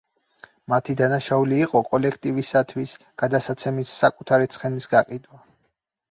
მათი დანაშაული იყო კოლექტივისათვის გადასაცემი საკუთარი ცხენის გაყიდვა.